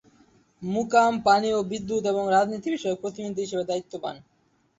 মোকাম পানি ও বিদ্যুৎ এবং রাজনীতি বিষয়ক প্রতিমন্ত্রী হিসেবে দায়িত্ব পান।